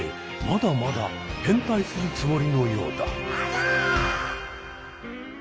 まだまだ変態するつもりのようだ。